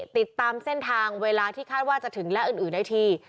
ติดตามเส้นทางเวลาที่คาดว่าจะถึงและอื่นได้ที